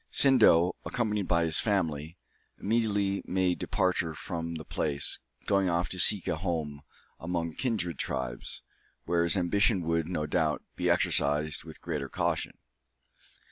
Sindo, accompanied by his family, immediately made departure from the place, going off to seek a home among kindred tribes, where his ambition would, no doubt, be exercised with greater caution.